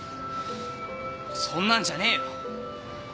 そんなんじゃねえよ！